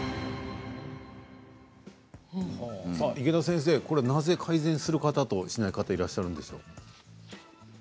池田先生、なぜ改善する方と、しない方がいらっしゃるんですか。